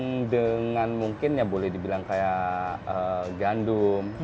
yang dengan mungkin ya boleh dibilang kayak gandum